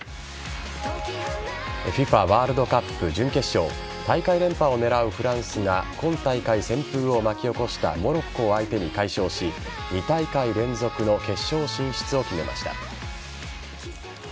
ＦＩＦＡワールドカップ準決勝大会連覇を狙うフランスが今大会旋風を巻き起こしたモロッコを相手に快勝し２大会連続の決勝進出を決めました。